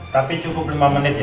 tapi cukup lima menit ya